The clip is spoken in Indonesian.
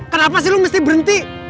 kenapa sih lo mesti berhenti